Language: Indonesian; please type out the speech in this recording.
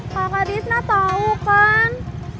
kakak disna tau kan